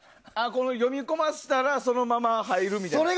読み込ませたらそのまま入るみたいな。